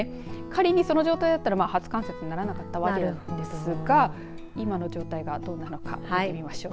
仮にその状態なら初冠雪にならなかったわけですが今の状態がどうなのか見てみましょう。